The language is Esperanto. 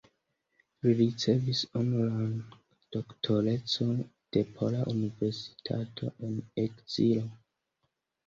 Li ricevis honoran doktorecon de Pola Universitato en Ekzilo.